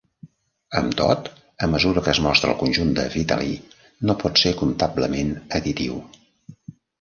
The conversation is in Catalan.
Amb tot, a mesura que es mostra el conjunt de Vitali, no pot ser comptablement additiu.